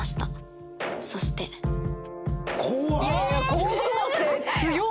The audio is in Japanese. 高校生強っ！